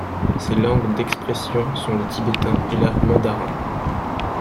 Ses langues d'expression sont le tibétain et la mandarin.